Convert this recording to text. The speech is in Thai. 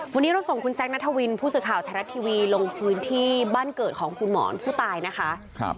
วันนี้เราส่งคุณแซคนัทวินผู้สื่อข่าวไทยรัฐทีวีลงพื้นที่บ้านเกิดของคุณหมอนผู้ตายนะคะ